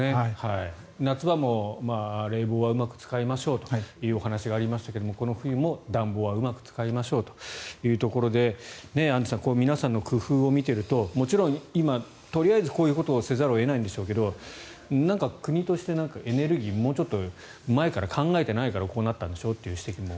夏場も冷房はうまく使いましょうというお話がありましたがこの冬も暖房はうまく使いましょうというところでアンジュさん皆さんの工夫を見ているともちろん今とりあえずこういうことをせざるを得ないんでしょうけどなんか、国としてエネルギー、もうちょっと前から考えていないからこうなったんでしょという指摘も。